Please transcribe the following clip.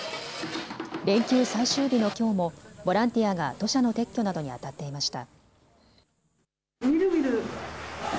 連休最終日のきょうもボランティアが土砂の撤去などにあたっていました。